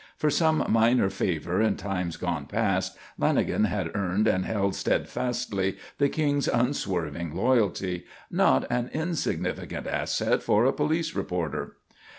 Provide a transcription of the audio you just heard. For some minor favour in times gone past, Lanagan had earned and held steadfastly the King's unswerving loyalty; not an insignificant asset for a police reporter.